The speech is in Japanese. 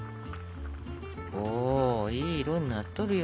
おいい色になっとるよ。